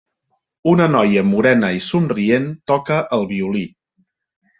Una noia morena i somrient toca el violí.